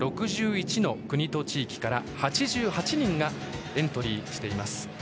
６１の国と地域が８８人がエントリーしています。